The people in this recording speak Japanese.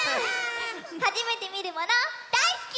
はじめてみるものだいすき！